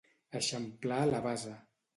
Eixamplar la base.